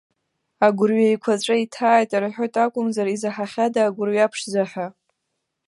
Агәырҩа еиқәаҵәа иҭааит рҳәоит акәымзар, изаҳахьада агәырҩа ԥшӡа ҳәа.